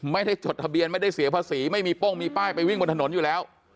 ไม่ได้จดทะเบียนไม่ได้เสียภาษีไม่มีโป้งมีป้ายไปวิ่งบนถนนอยู่แล้ว